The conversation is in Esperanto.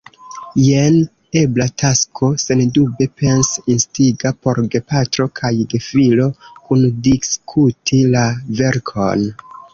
Jen ebla tasko, sendube pens-instiga, por gepatro kaj gefilo: kundiskuti la verkon.